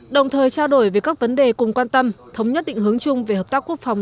đồng thời trao đổi về các vấn đề cùng quan tâm thống nhất định hướng chung về hợp tác quốc phòng